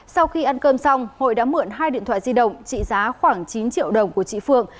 sau khi ăn cơm xong hội đã mượn hai điện thoại di động trị giá khoảng chín triệu đồng của chị phượng